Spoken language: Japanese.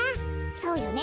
そうよね。